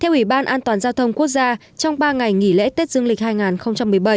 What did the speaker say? theo ủy ban an toàn giao thông quốc gia trong ba ngày nghỉ lễ tết dương lịch hai nghìn một mươi bảy